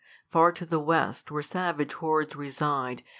Far to the west, where savage hordes reside.